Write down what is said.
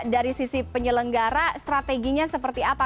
dari sisi penyelenggara strateginya seperti apa